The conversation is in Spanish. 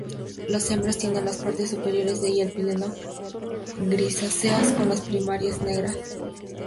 Las hembras tienen las partes superiores y el píleo grisáceas, con las primarias negras.